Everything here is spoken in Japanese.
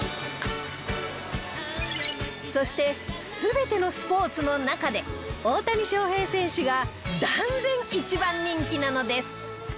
そして全てのスポーツの中で大谷翔平選手が断然一番人気なのです